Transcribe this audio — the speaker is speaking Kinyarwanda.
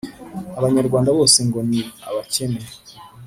Abanyarwanda bose ngo ni abakene.